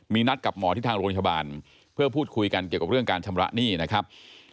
มีนัดกับหมอที่ทางโรงพยาบาลเพื่อพูดคุยกันเกี่ยวกับเรื่องการชำระหนี้นะครับ